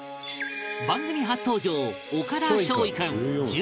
番組初登場岡田梢位君１４歳